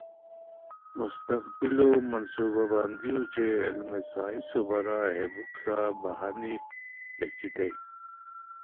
مستقبلو منصوبہ بندی اوچے علمِ سائسنو بارا ہے بکسہ پہانی بہچیتانی